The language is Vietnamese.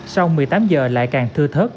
sau một mươi tám h lại càng thư thớt